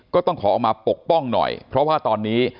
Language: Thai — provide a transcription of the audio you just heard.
ก็ต้องขอออกมาปกป้องหน่อยเพราะว่าตอนนี้